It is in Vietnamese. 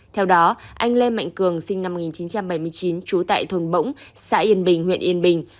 theo đó anh lê mạnh cường sinh năm một nghìn chín trăm bảy mươi chín trú tại thôn bỗng xã yên bình huyện yên bình